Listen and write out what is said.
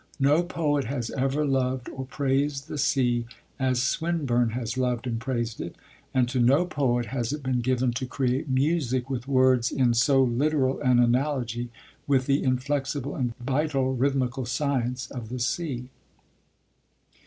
No poet has ever loved or praised the sea as Swinburne has loved and praised it; and to no poet has it been given to create music with words in so literal an analogy with the inflexible and vital rhythmical science of the sea.